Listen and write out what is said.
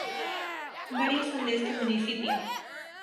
Varios son los de este municipio.